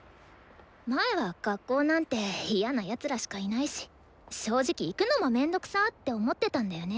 前は学校なんて嫌な奴らしかいないし正直行くのも面倒くさって思ってたんだよね。